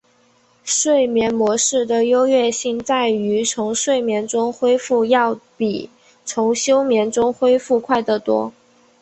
睡眠模式的优越性在于从睡眠中恢复要比从休眠中恢复快得多。